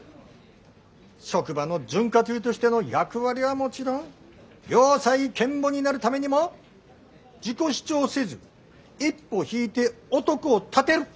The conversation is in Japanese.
職場の潤滑油としての役割はもちろん良妻賢母になるためにも自己主張せず一歩引いて男を立てる。